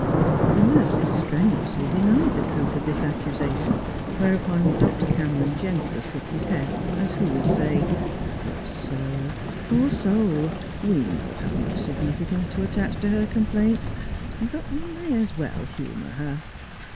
The nurses strenuously denied the truth of this accusation : whereupon Dr. Cameron gently shook his head, as who would say, " Poor soul, poor soul ! we know how much significance to attach to her complaints ; but we may as well humour her."